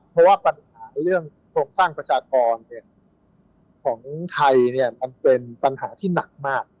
เพราะว่าปัญหาเรื่องโครงสร้างประชากรของไทยมันเป็นปัญหาที่หนักมาก